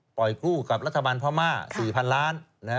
ปล่อยกู้กับรัฐบาลม่า๔๐๐๐ล้าน